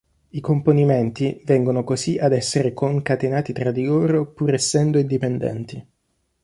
I componimenti vengono così ad essere concatenati tra di loro pur essendo indipendenti.